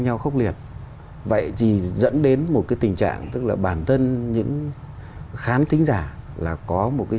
nhau khốc liệt vậy thì dẫn đến một cái tình trạng tức là bản thân những khán tính giả là có một cái